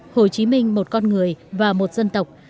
hồ chí minh một con người và một dân tộc